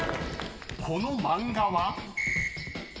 ［この漫画は？］